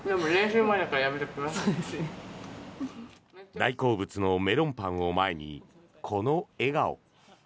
大好物のメロンパンを前にこの笑顔。